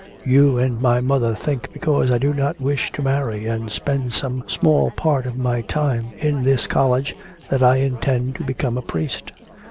You and my mother think because I do not wish to marry and spend some small part of my time in this college that I intend to become a priest.